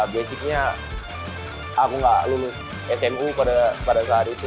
basicnya aku gak lulus smu pada saat itu